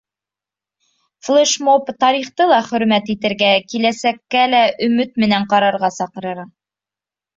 Флешмоб тарихты ла хөрмәт итергә, киләсәккә лә өмөт менән ҡарарга саҡыра.